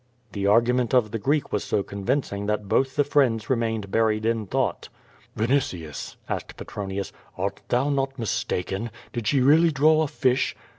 The argument of the Greek was so convincing that both the friends remained buried in thought. "Vinitius," asked Petronius, "art thou not mistaken? Did she really draw a fish?"